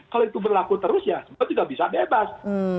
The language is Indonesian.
kalau itu berlaku terus ya semua tidak bisa bebas